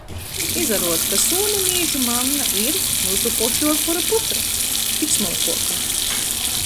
Izaruod, ka suomu mīžu manna ir... myusu pošu ozbora putra! Tik smolkuoka.